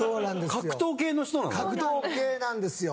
格闘系なんですよ。